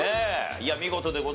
いや見事でございました。